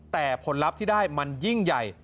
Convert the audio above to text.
แต่ผลลัพธ์ที่ได้มันยิ่งใหญ่